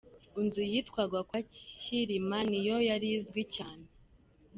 Inzu yitwaga kwa Cyirima ni yo yari izwi cyane.